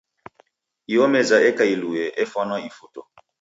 Iyo meza eka ilue efwana ifuto.